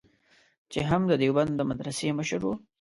چې هم د دیوبند د مدرسې مشر و.